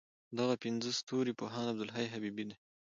دغه پنځه ستوري پوهاند عبدالحی حبیبي دی.